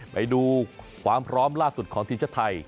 ไปดูความพร้อมล่าสุดของทีมชาติไทย